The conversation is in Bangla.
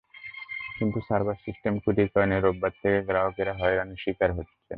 কিন্তু সার্ভার সিস্টেমে ত্রুটির কারণে রোববার থেকে গ্রাহকেরা হয়রানির শিকার হচ্ছেন।